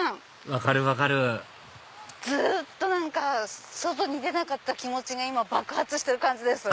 分かる分かるずっと外に出なかった気持ちが今爆発してる感じです。